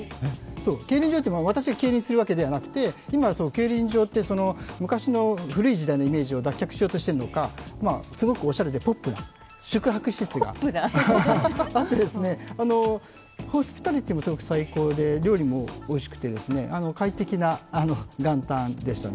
競輪場といっても私が競輪するわけではなくて今、競輪場って昔の、古い時代のイメージを脱却しようとしているのか、すごくおしゃれでポップな宿泊施設があってホスピタリティーもすごく最高で料理もおいしくて、快適な元旦でしたね。